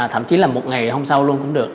thậm chí là một ngày hôm sau luôn cũng được